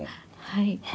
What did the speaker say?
はい。